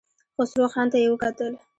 خسرو خان ته يې وکتل.